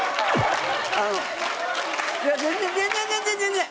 いや全然全然全然。